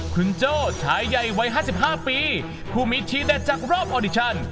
คุณโจ้ชายใหญ่วัย๕๕ปีผู้มีทีเด็ดจากรอบออดิชัน